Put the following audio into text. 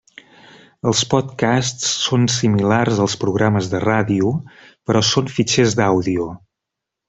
Els podcasts són similars als programes de ràdio, però són fitxers d'àudio.